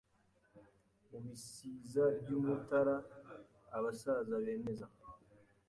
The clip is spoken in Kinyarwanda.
Mu bisiza by'Umutara Abasaza bemeza